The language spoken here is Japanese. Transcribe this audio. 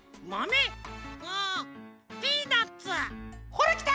ほらきた！